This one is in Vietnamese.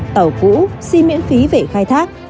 tàu cũ xin miễn phí về khai thác